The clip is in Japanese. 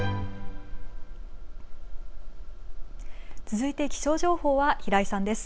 続いて気象情報は平井さんです。